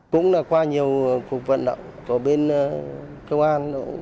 công an tp chí linh đã vận động thu hồi cho các tỉnh trường bally tỉnh trung tâm